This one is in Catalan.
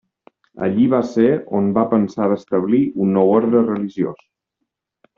Allí va ser on va pensar d'establir un nou orde religiós.